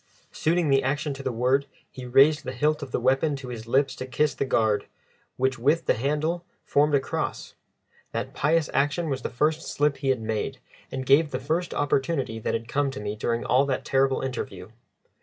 Suiting the action to the word, he raised the hilt of the weapon to his lips to kiss the guard, which with the handle formed a cross. That pious action was the first slip he had made, and gave the first opportunity that had come to me during all that terrible interview.